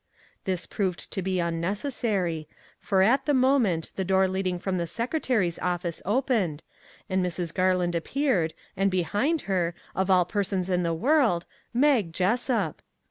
This proved to be unnecessary, for at the moment the door leading from the secretary's office opened, and Mrs. Garland appeared, and behind her, of all persons in the world, Mag Jessup!